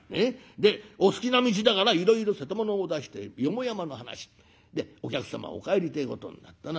でお好きな道だからいろいろ瀬戸物を出して四方山の話。でお客様お帰りてえことになったな。